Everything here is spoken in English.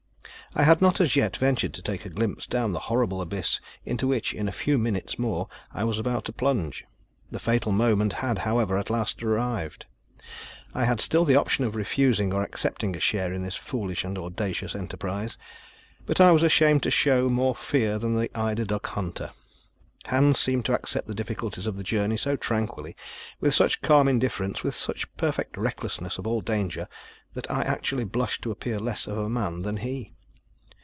I had not as yet ventured to take a glimpse down the horrible abyss into which in a few minutes more I was about to plunge. The fatal moment had, however, at last arrived. I had still the option of refusing or accepting a share in this foolish and audacious enterprise. But I was ashamed to show more fear than the eider duck hunter. Hans seemed to accept the difficulties of the journey so tranquilly, with such calm indifference, with such perfect recklessness of all danger, that I actually blushed to appear less of a man than he!